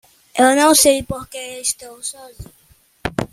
Eu não sei porque estou sozinho